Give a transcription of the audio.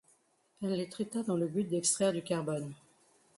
Elle les traita dans le but d'extraire du carbone.